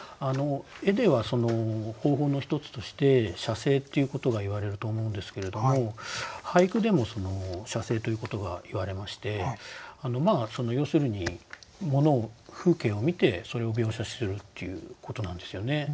絵では方法の一つとして写生っていうことが言われると思うんですけれども俳句でも写生ということが言われまして要するに物風景を見てそれを描写するっていうことなんですよね。